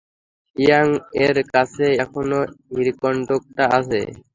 ইয়াং-এর কাছে এখনও হীরকখন্ডটা আছে!